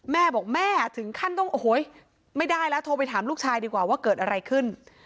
แม่บอกแม่ถึงขั้นต้องโอ้โหไม่ได้แล้วโทรไปถามลูกชายดีกว่าว่าเกิดอะไรขึ้น